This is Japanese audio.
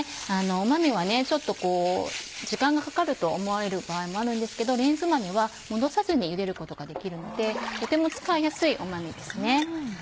豆はちょっと時間がかかると思われる場合もあるんですけどレンズ豆は戻さずにゆでることができるのでとても使いやすい豆ですね。